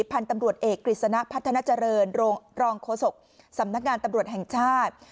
พันธุ์ตำรวจเอกกฤษณะพัฒนาเจริญรองโฆษกสำนักงานตำรวจแห่งชาติ